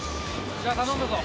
じゃあ頼んだぞ。